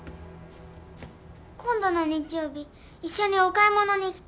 今度の日曜日一緒にお買い物に行きたい。